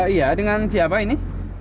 iya dengan siapa ini